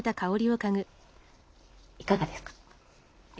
いかがですか？